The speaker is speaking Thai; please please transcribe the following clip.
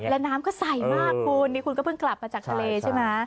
แล้วน้ำก็ใสมากคุณนี่คุณก็เพิ่งกลับมาจากทะเลใช่ไหม